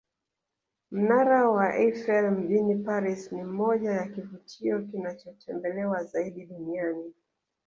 Mnara wa Eifel mjini Paris ni mmoja ya kivutio kinachotembelewa zaidi duniani